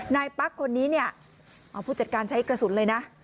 ปั๊กคนนี้เนี่ยผู้จัดการใช้กระสุนเลยนะ